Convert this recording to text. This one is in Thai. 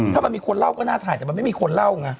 ถ้ามันมีคนเล่าก็น่าถ่ายแต่มันไม่มีคนเล่าไง